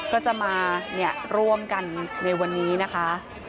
ก็จะมาร่วมกันในวันนี้นะคะ